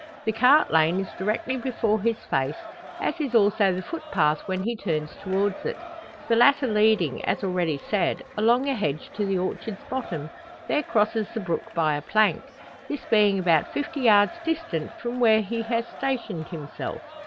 The cart lane is directly before his face, as is also the footpath when he turns towards it. The latter leading, as already said, along a hedge to the orchard's bottom, there crosses the brook by a plank this being about fifty yards distant from where he has stationed himself.